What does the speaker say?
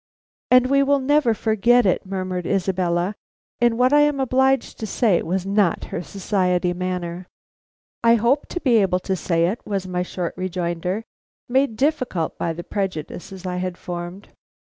"And we will never forget it," murmured Isabella, in what I am obliged to say was not her society manner. "I hope to be able to say it," was my short rejoinder, made difficult by the prejudices I had formed.